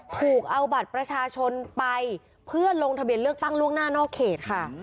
ถูกเอาบัตรประชาชนไปเพื่อลงทะเบียนเลือกตั้งล่วงหน้านอกเขตค่ะ